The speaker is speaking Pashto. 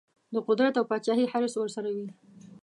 د قدرت او پاچهي حرص ورسره وي.